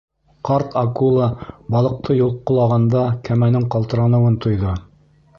Ҡарт акула балыҡты йолҡҡолағанда кәмәнең ҡалтыраныуын тойҙо.